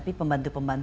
aku mau ke sana